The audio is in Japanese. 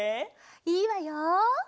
いいわよ。